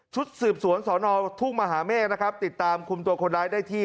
สืบสวนสอนอทุ่งมหาเมฆนะครับติดตามคุมตัวคนร้ายได้ที่